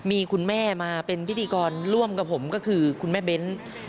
มีคุณแม่มาเป็นพิธีกรร่วมกับผมก็คือคุณแม่เบ้น